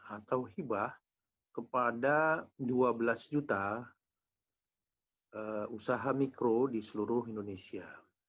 atau hibah kepada dua belas juta usaha mikro di seluruh indonesia